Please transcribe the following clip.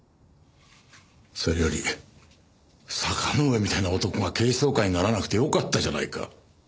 それより坂之上みたいな男が警視総監にならなくてよかったじゃないか。